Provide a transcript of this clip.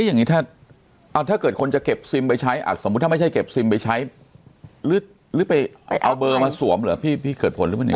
อย่างนี้ถ้าเกิดคนจะเก็บซิมไปใช้สมมุติถ้าไม่ใช่เก็บซิมไปใช้หรือไปเอาเบอร์มาสวมเหรอพี่เกิดผลหรือเปล่า